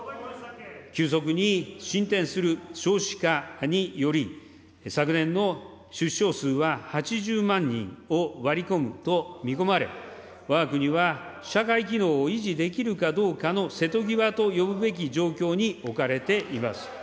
急速に進展する少子化により、昨年の出生数は８０万人を割り込むと見込まれ、わが国は社会機能を維持できるかどうかの瀬戸際と呼ぶべき状況に置かれています。